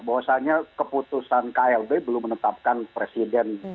bahwasannya keputusan klb belum menetapkan presiden